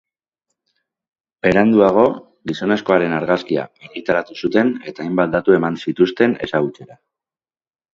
Beranduago, gizonezkoaren argazkia argitaratu zuten eta hainbat datu eman zituzten ezagutzera.